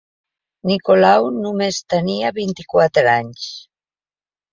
Nicolau només tenia vint-i-quatre anys.